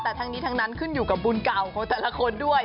แต่ทั้งนี้ทั้งนั้นขึ้นอยู่กับบุญเก่าของแต่ละคนด้วย